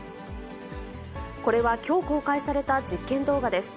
これはきょう公開された実験動画です。